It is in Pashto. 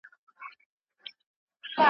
و زاهد ته لاس په سر سو